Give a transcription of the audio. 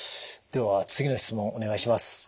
では次の質問お願いします。